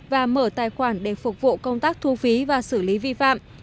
và mở tài khoản để phục vụ công tác thu phí và xử lý vi phạm